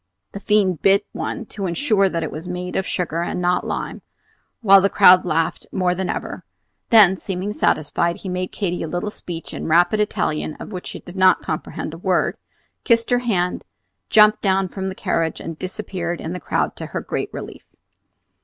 The fiend bit one to insure that it was made of sugar and not lime, while the crowd laughed more than ever; then, seeming satisfied, he made Katy a little speech in rapid Italian, of which she did not comprehend a word, kissed her hand, jumped down from the carriage and disappeared in the crowd to her great relief.